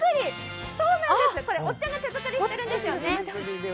これおっちゃんが手作りしてるんですよね。